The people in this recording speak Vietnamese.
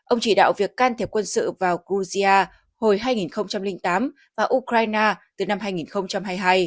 ông chỉ đạo việc can thiệp quân sự vào georgia hồi hai nghìn tám và ukraine từ năm hai nghìn hai mươi hai